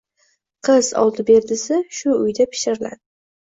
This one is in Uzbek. Qiz oldi-berdisi shu uyda "pishiriladi"